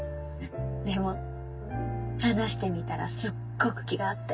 でも話してみたらすっごく気が合って。